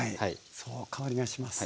そう香りがします。